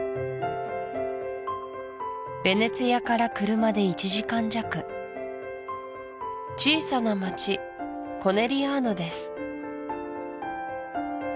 ヴェネツィアから車で１時間弱小さな町コネリアーノです